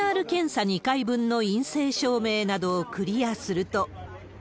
ＰＣＲ検査２回分の陰性証明などをクリアすると。